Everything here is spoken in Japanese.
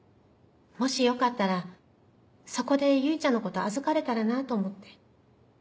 もしよかったらそこで唯ちゃんのこと預かれたらなと思って。